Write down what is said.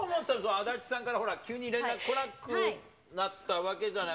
足立さんから急に連絡来なくなったわけじゃない。